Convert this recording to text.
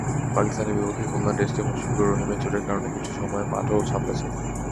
পাকিস্তানের বিপক্ষে খুলনা টেস্টে মুশফিকুর রহিমের চোটের কারণে কিছু সময় মাঠও সামলেছেন।